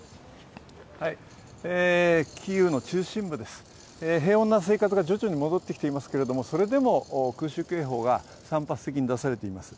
キーウの中心部です、平穏な生活が徐々に戻ってきていますが、それでも空襲警報が散発的に出されています。